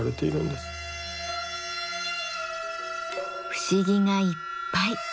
不思議がいっぱい。